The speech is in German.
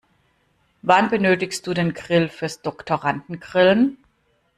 Wann benötigst du den Grill fürs Doktorandengrillen?